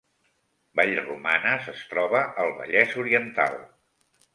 Vallromanes es troba al Vallès Oriental